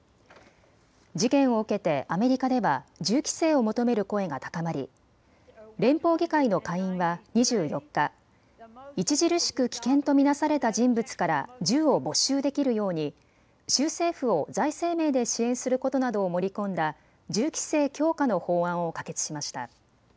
事件を受けてアメリカでは銃規制を求める声が高まり連邦議会の下院は２４日、著しく危険と見なされた人物から銃を没収できるように州政府を財政面で支援することなどを盛り込んだ銃規制強化の法案を可決しました。